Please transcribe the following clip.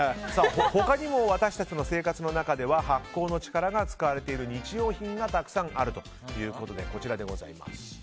他にも私たちの生活の中では発酵の力が使われている日用品がたくさんあるということで。